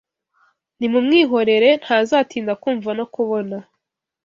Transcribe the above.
Nimumwihorere ntazatinda kumva no kubona